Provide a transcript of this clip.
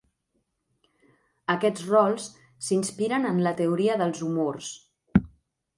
Aquests rols s'inspiren en la teoria dels humors.